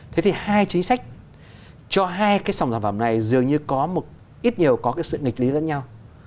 thế thì hai chính sách cho hai sòng sản phẩm này dường như có một ít nhiều sự nghịch lý lẫn nhau